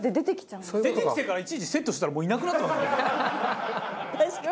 出てきてからいちいちセットしてたらもういなくなってますもん。